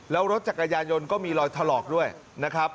แล้วรถจักรยานยนต์ก็มีรอยถลอกด้วยนะครับ